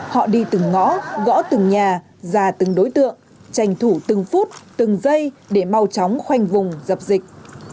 họ đi từng ngõ gõ từng nhà già từng đối tượng tranh thủ từng phút từng giây để mau chóng khoanh vùng dập dịch